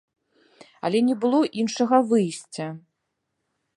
Але не было іншага выйсця.